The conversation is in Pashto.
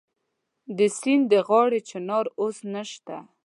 د سیند د غاړې چنار اوس نشته